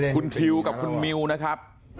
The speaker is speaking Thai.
คุณทิวกับคุณมิวนะครับ